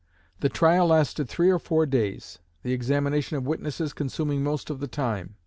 The trial lasted three or four days, the examination of witnesses consuming most of the time.